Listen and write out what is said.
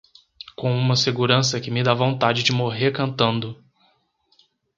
com uma segurança que me dá vontade de morrer cantando.